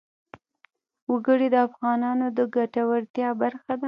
وګړي د افغانانو د ګټورتیا برخه ده.